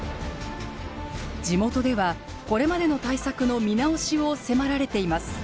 地元ではこれまでの対策の見直しを迫られています。